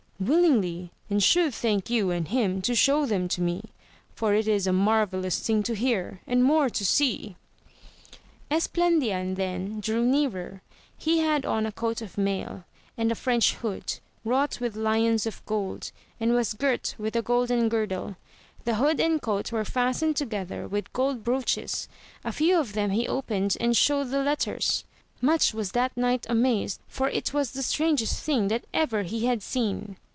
Willingly, and should thank you and him to show them to me, for it is a marvellous thing to hear, and more to see. Esplandian then drew nearer. He had on a coat of mail, and a French hood, wrought with lions of gold, and was girt with a golden girdle ; the hood and coat were fastened together with gold broaches, a few of them he opened, and showed the letters. Much was that knight amazed, for it was the strangest thing that ever he had seen.